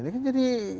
ini kan jadi